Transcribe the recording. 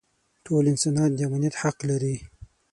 ټول انسانان د امنیت حق لري.